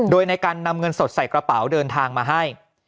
โดยในการนำเงินสดใส่กระเป๋าเดินทางมาให้